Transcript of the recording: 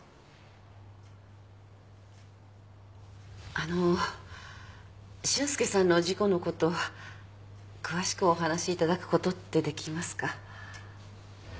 あのう俊介さんの事故のこと詳しくお話しいただくことってできますか？